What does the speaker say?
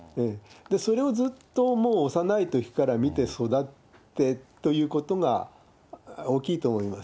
それをずっともう幼いときから見て育ってということが大きいと思います。